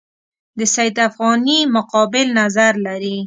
د سید افغاني مقابل نظر لري.